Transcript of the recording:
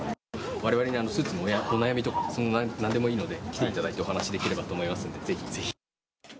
われわれにスーツのお悩みとか、なんでもいいので、来ていただいてお話できればと思いますのでぜひぜひ。